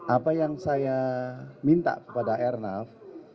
apa yang saya minta kepada airnav